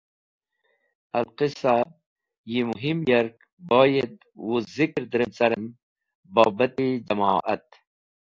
Al-qisa, yi muhim yark boyad wuz zikr drem carem boabt-e jam’oat.